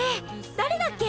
誰だっけ？